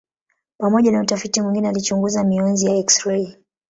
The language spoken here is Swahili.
Pamoja na utafiti mwingine alichunguza mionzi ya eksirei.